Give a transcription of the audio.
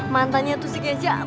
mantannya tuh si geja